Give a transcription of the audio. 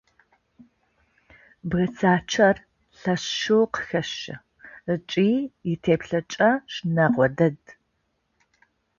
Бгыцакӏэр лъэшэу къыхэщы ыкӏи итеплъэкӏэ щынагъо дэд.